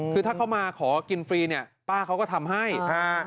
คือถ้าเขามาขอกินฟรีเนี่ยป้าเขาก็ทำให้ฮะ